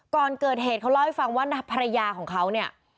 ก่อนเกิดเหตุเขาเล่าให้ฟังว่าภรรยาของเขาเนี่ย